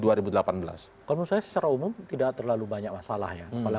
kalau menurut saya secara umum tidak terlalu banyak masalah ya